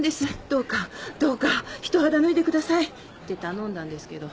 「どうかどうか一肌脱いでください」って頼んだんですけど。